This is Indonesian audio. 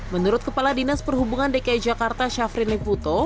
menurut kepala dinas perhubungan dki jakarta syafrin liputo